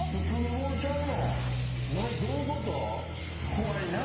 怖いな。